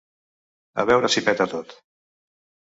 A veure si peta tot.